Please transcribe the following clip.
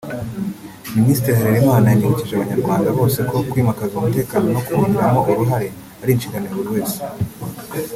Minisitiri Harerimana yanibukije Abanyarwanda bose ko kwimakaza umutekano no kuwugiramo uruhare ari inshingano ya buri wese